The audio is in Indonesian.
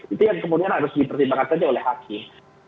itu yang kemudian harus dipertimbangkannya oleh hakim